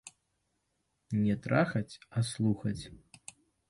Не трахаць, а слухаць!